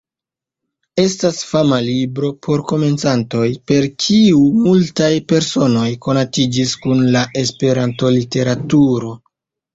Estas fama libro por komencantoj per kiu multaj personoj konatiĝis kun la Esperanto-literaturo.